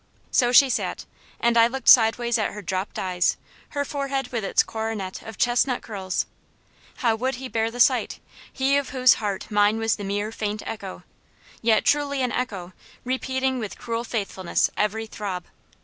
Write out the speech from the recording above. So she sat, and I looked sideways at her dropped eyes her forehead with its coronet of chestnut curls. How would he bear the sight he of whose heart mine was the mere faint echo? Yet truly an echo, repeating with cruel faithfulness every throb.